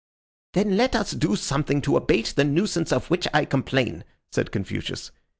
"Then let us do something to abate the nuisance of which I complain," said Confucius.